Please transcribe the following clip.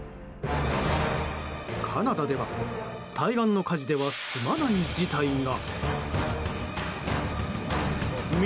カナダでは対岸の火事では済まない事態が。